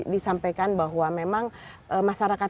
disampaikan bahwa memang masyarakat